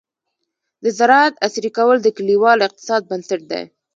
د زراعت عصري کول د کليوال اقتصاد بنسټ دی.